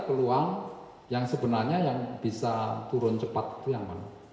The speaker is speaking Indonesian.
peluang yang sebenarnya yang bisa turun cepat itu yang mana